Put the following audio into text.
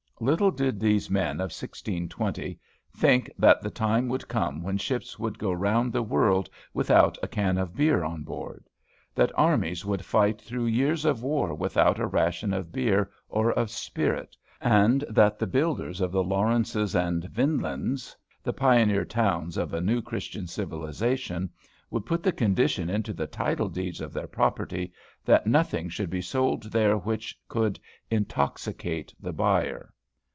Little did these men of 1620 think that the time would come when ships would go round the world without a can of beer on board; that armies would fight through years of war without a ration of beer or of spirit, and that the builders of the Lawrences and Vinelands, the pioneer towns of a new Christian civilization, would put the condition into the title deeds of their property that nothing should be sold there which could intoxicate the buyer.